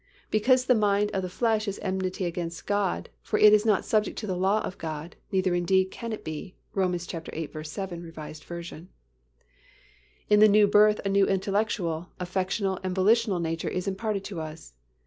("Because the mind of the flesh is enmity against God; for it is not subject to the law of God, neither indeed can it be." Rom. viii. 7, R. V.) In the new birth a new intellectual, affectional and volitional nature is imparted to us.